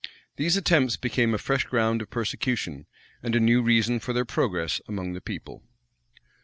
These attempts became a fresh ground of persecution, and a new reason for their progress among the people.